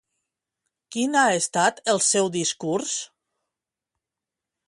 Quin ha estat el seu discurs?